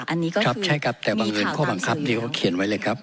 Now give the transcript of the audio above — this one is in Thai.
อันนี้ก็มีข้าวข้ามือเนี่ยเขาเขียนไว้เลยครับ